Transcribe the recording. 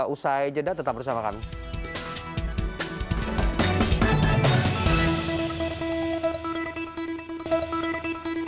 usai jeda tetap bersama kami